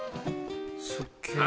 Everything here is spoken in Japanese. すっげえ。